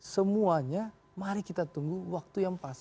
semuanya mari kita tunggu waktu yang pas